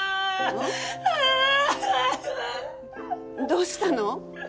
どうしたの？